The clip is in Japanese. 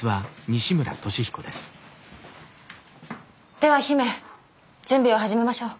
では姫準備を始めましょう。